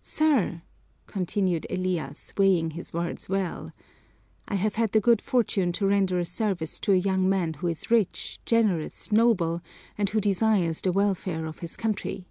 "Sir," continued Elias, weighing his words well, "I have had the good fortune to render a service to a young man who is rich, generous, noble, and who desires the welfare of his country.